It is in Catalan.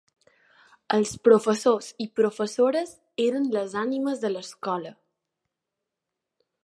Els professors i professores eren les ànimes de l'escola.